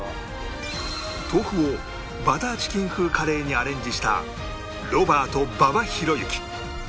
豆腐をバターチキン風カレーにアレンジしたロバート馬場裕之